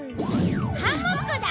ハンモックだ！